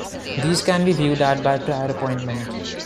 These can be viewed at by prior appointment.